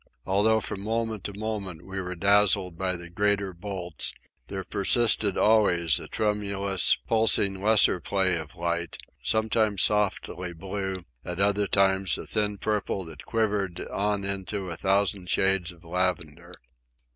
Although from moment to moment we were dazzled by the greater bolts, there persisted always a tremulous, pulsing lesser play of light, sometimes softly blue, at other times a thin purple that quivered on into a thousand shades of lavender.